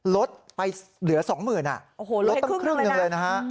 ลดไปเหลือ๒๐๐๐บาทลดตั้งครึ่งหนึ่งเลยนะฮะ